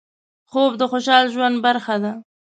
خوب د خوشحال ژوند برخه ده